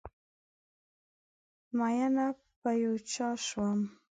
ميېنه په یو چا شم